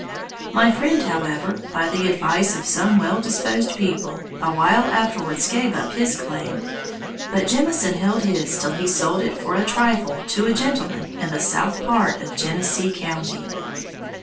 My friend, however, by the advice of some well disposed people, awhile afterwards gave up his claim; but Jemison held his till he sold it for a trifle to a gentleman in the south part of Genesee county.